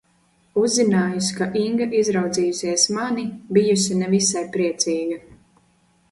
Uzzinājusi, ka Inga izraudzījusies mani, bijusi ne visai priecīga.